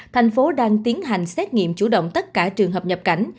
thành phố đang tiến hành xét nghiệm chủ động tất cả trường hợp nhập cảnh